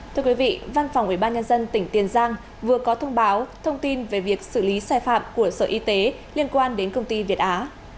thưa quý vị văn phòng ubnd tỉnh tiền giang vừa có thông báo thông tin về việc xử lý sai phạm của sở y tế liên quan đến công ty việt á